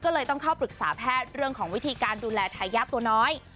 ก็เลยต้องเข้าปรึกษาแพทย์เรื่องของวิธีการดูแลทายาทตัวน้อย